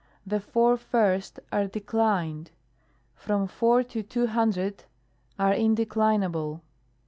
The four first are declined ; from four to two hundred are indeclinable.